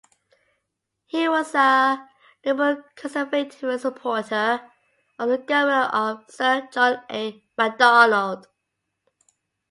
He was a Liberal-Conservative and supporter of the government of Sir John A. Macdonald.